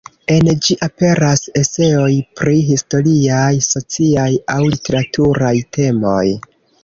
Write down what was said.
En ĝi aperas eseoj pri historiaj, sociaj aŭ literaturaj temoj.